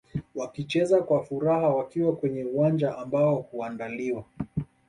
Wakicheza kwa furaha wakiwa kwenye uwanja ambao huandaliwa